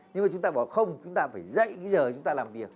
nhưng mà chúng ta bỏ không chúng ta phải dậy cái giờ chúng ta làm việc